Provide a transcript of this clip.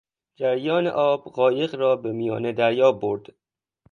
جریان آب قایق را به میان دریا برد.